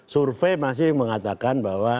survei masih mengatakan bahwa